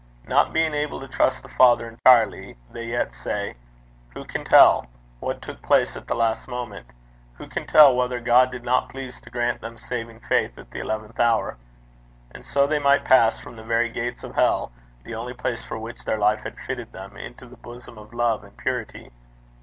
Not being able to trust the Father entirely, they yet say: 'Who can tell what took place at the last moment? Who can tell whether God did not please to grant them saving faith at the eleventh hour?' that so they might pass from the very gates of hell, the only place for which their life had fitted them, into the bosom of love and purity!